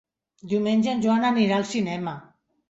Diumenge en Joan anirà al cinema.